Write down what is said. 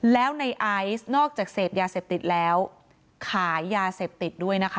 แล้วในไอซ์นอกจากเสพยาเสพติดแล้วขายยาเสพติดด้วยนะคะ